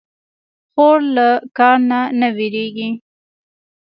خور له کار نه نه وېرېږي.